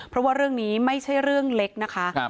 เพราะว่าเรื่องนี้ไม่ใช่เรื่องเล็กนะคะ